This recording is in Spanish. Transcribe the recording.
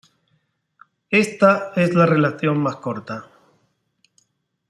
Esta es la relación más corta.